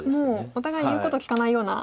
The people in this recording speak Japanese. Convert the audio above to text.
もうお互い言うこと聞かないような。